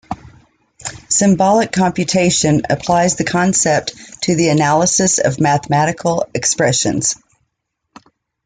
Symbolic computation applies the concept to the analysis of mathematical expressions.